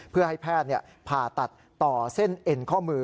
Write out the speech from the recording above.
เพื่อให้แพทย์ผ่าตัดต่อเส้นเอ็นข้อมือ